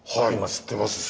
知ってます。